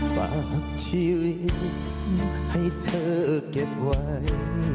ฝากชีวิตให้เธอเก็บไว้